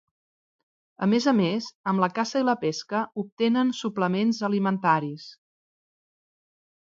A més a més, amb la caça i la pesca obtenen suplements alimentaris.